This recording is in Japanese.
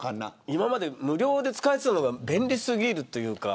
今まで無料だったのが便利すぎるというか。